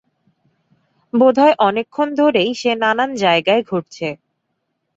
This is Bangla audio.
বোধহয় অনেকক্ষণ ধরেই সে নানান জায়গায় ঘুরছে।